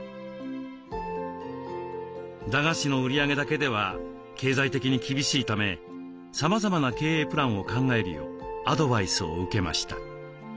駄菓子の売り上げだけでは経済的に厳しいためさまざまな経営プランを考えるようアドバイスを受けました。